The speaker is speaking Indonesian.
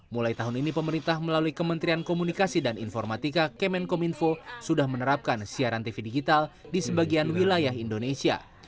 mulai tahun ini pemerintah melalui kementerian komunikasi dan informatika kemenkominfo sudah menerapkan siaran tv digital di sebagian wilayah indonesia